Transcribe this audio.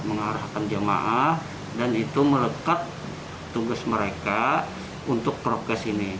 mengarahkan jemaah dan itu melekat tugas mereka untuk prokes ini